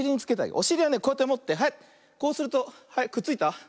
おしりはねこうやってもってはいこうするとくっついた。ね。